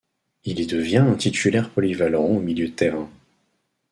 Il y devient un titulaire polyvalent au milieu de terrain.